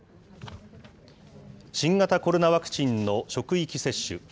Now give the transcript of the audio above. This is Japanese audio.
新型コロナワクチンの職域接種。